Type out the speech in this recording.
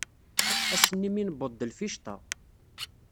Ass-nni mi newweḍ d lficṭa.